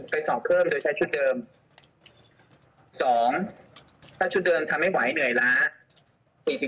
สอบเพิ่มโดยใช้ชุดเดิม๒ถ้าชุดเดิมทำไม่ไหวเหนื่อยล้า